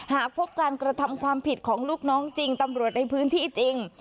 หากพบการกระทำความผิดของลูกน้องจริงตำรวจในพื้นที่จริง